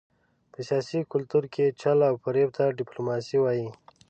په سیاسي کلتور کې چل او فرېب ته ډیپلوماسي وايي.